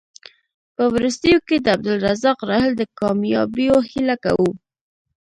په وروستیو کې د عبدالرزاق راحل د کامیابیو هیله کوو.